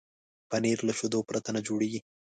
پنېر له شیدو پرته نه جوړېږي.